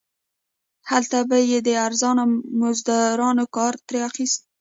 هلته به یې د ارزانه مزدورانو کار ترې اخیست.